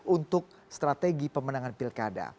untuk strategi pemenangan pilkada